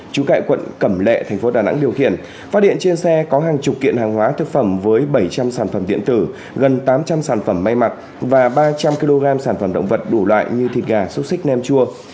trú tại quận cẩm lệ thành phố đà nẵng điều khiển phát hiện trên xe có hàng chục kiện hàng hóa thực phẩm với bảy trăm linh sản phẩm điện tử gần tám trăm linh sản phẩm may mặc và ba trăm linh kg sản phẩm động vật đủ loại như thịt gà xúc xích nem chua